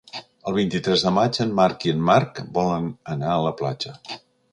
El vint-i-tres de maig en Marc i en Marc volen anar a la platja.